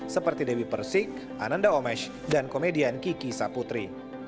seperti dewi persik ananda omesh dan komedian kiki saputri